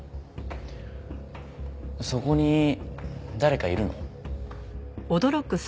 そこに誰かいるの？